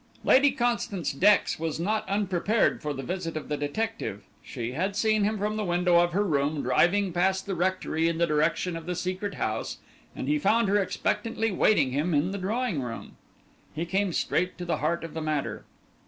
Lady Constance Dex was not unprepared for the visit of the detective. She had seen him from the window of her room, driving past the rectory in the direction of the Secret House, and he found her expectantly waiting him in the drawing room. He came straight to the heart of the matter.